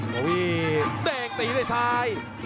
โบวี่เด้งตีด้วยซ้าย